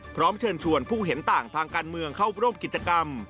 พร้อมเชิญชวนผู้เห็นต่างทางการเมืองเข้าร่วมกิจกรรม